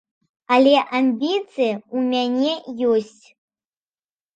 Але амбіцыі ў мяне ёсць.